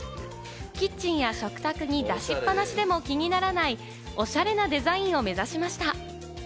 キッチンや食卓に出しっぱなしでも気にならないオシャレなデザインを目指しました。